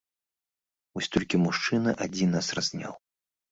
Вось толькі мужчына адзін нас разняў.